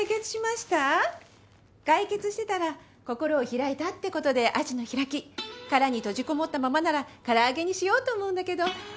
解決してたら心を開いたって事でアジの開き殻に閉じこもったままなら唐揚げにしようと思うんだけど。